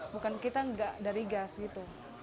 bukan kita nggak dari gas gitu